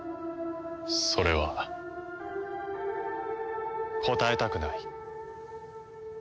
それは答えたくない。